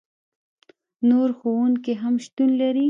نور ښودونکي هم شتون لري.